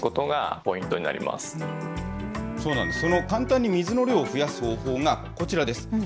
簡単に水の量を増やす方法がこちらです。